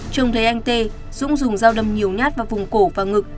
trông thấy anh tê dũng dùng dao đâm nhiều nhát vào vùng cổ và ngực